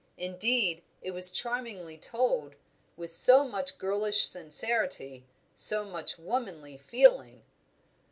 Indeed, it was charmingly told; with so much girlish sincerity, so much womanly feeling.